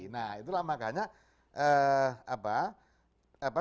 nah itulah makanya